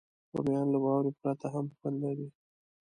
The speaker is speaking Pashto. رومیان له واورې پرته هم خوند لري